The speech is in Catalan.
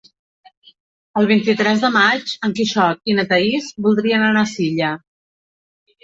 El vint-i-tres de maig en Quixot i na Thaís voldrien anar a Silla.